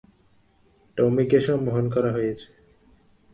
টমিকে সম্মোহন করা হয়েছে!